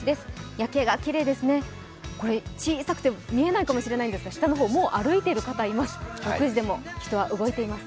夜景がきれいですね、小さくて見えないかもしれないですが下の方、もう歩いている方がいます